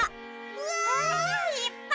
うわ！いっぱい。